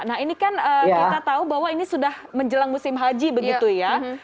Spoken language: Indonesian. nah ini kan kita tahu bahwa ini sudah menjelang musim haji begitu ya